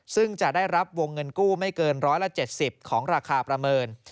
ซึ่งจะได้รับวงเงินกู้ไม่เกิน๑๗๐ของราคาประเมิน